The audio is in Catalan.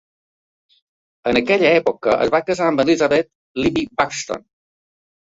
En aquella època es va casar amb Elizabeth "Libbie" Buxton.